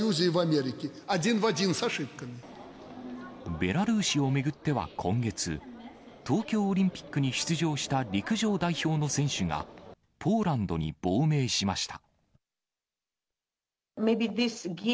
ベラルーシを巡っては今月、東京オリンピックに出場した陸上代表の選手が、ポーランドに亡命しました。